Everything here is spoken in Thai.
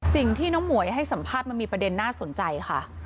สิ่งที่น้องหมวยให้สัมภาษณ์มันมีประเด็นน่าสนใจค่ะ